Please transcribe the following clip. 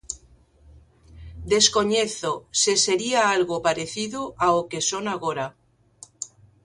Descoñezo se sería algo parecido ao que son agora.